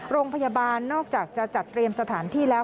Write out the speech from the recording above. โรงพยาบาลนอกจากจะจัดเตรียมสถานที่แล้ว